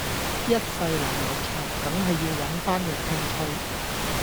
一世流流長緊係要搵返樣興趣